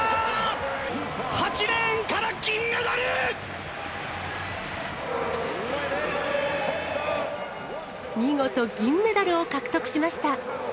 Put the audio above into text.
８レーンから見事、銀メダルを獲得しました。